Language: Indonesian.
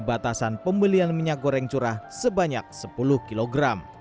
batasan pembelian minyak goreng curah sebanyak sepuluh kg